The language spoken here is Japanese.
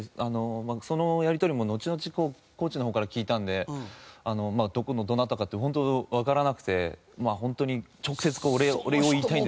そのやり取りも後々コーチの方から聞いたんでどこのどなたかって本当わからなくて本当に直接お礼を言いたいんですけど。